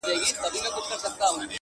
د لېوه سترګي سوې سرې په غړومبېدو سو!.